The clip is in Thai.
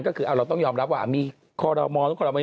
ก็คือเราต้องยอมรับว่ามีขอรมณ์